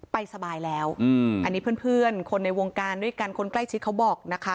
ไปสบายแล้วอันนี้เพื่อนคนในวงการด้วยกันคนใกล้ชิดเขาบอกนะคะ